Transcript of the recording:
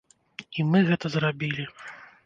І мы гэта зрабілі.